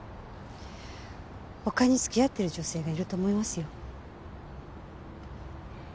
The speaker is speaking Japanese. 他に付き合ってる女性がいると思いますよ。